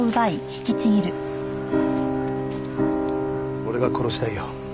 俺が殺したいよ。